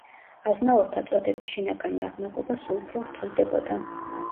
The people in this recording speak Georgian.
აზნაურთა წოდების შინაგანი აღნაგობა სულ უფრო რთულდებოდა.